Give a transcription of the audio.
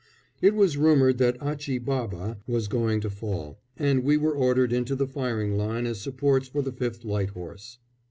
It was rumoured that Achi Baba was going to fall, and we were ordered into the firing line as supports for the 5th Light Horse.